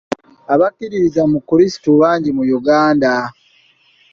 Abakkiririza mu Krisitu bangi mu Uganda.